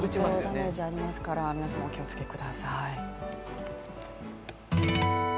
ダメージありますから皆様、お気をつけください。